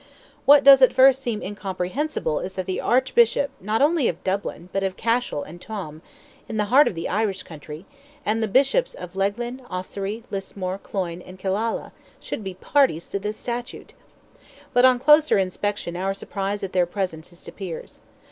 What does at first seem incomprehensible is that the Archbishop not only of Dublin, but of Cashel and Tuam—in the heart of the Irish country—and the Bishops of Leighlin, Ossory, Lismore, Cloyne, and Killala, should be parties to this statute. But on closer inspection our surprise at their presence disappears.